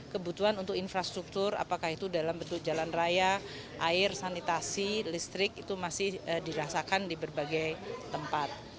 kebutuhan untuk infrastruktur apakah itu dalam bentuk jalan raya air sanitasi listrik itu masih dirasakan di berbagai tempat